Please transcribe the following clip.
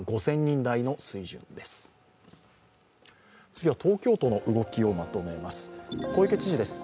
次は東京都の動きをまとめます。